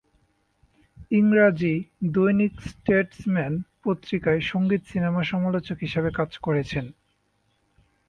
ইংরাজী দৈনিক "স্টেটসম্যান" পত্রিকায় সংগীত-সিনেমা সমালোচক হিসাবে কাজ করেছেন।